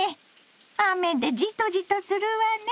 雨でじとじとするわね。